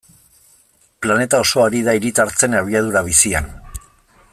Planeta osoa ari da hiritartzen abiadura bizian.